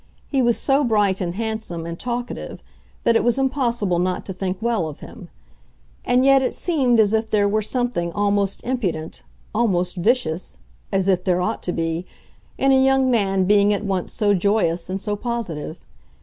He was so bright and handsome and talkative that it was impossible not to think well of him; and yet it seemed as if there were something almost impudent, almost vicious—or as if there ought to be—in a young man being at once so joyous and so positive.